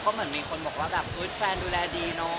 เขามึงมีคนบอกว่าแฟนดูแลดีน้อง